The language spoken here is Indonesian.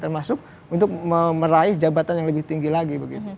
termasuk untuk meraih jabatan yang lebih tinggi lagi